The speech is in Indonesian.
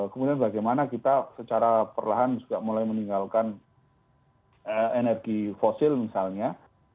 kemudian bagaimana kita secara perlahan juga mulai meninggalkan energi fosil misalnya